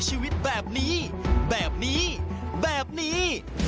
ชีวิตแบบนี้แบบนี้แบบนี้